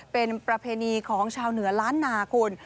เป็นประเพณีของชาวเหนือล้านนาคุณ